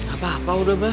apa apa udah mbah